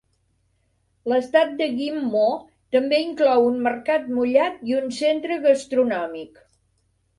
L'estat de Ghim Moh també inclou un mercat mullat i un centra gastronòmic.